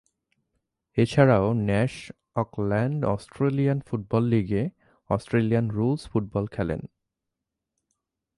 এছাড়াও Nash Auckland Australian football লীগে Australian rules football খেলেন।